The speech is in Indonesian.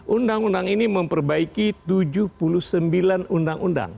undang undang ini memperbaiki tujuh puluh sembilan undang undang